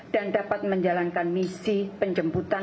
dapat menjalankan misi penjemputan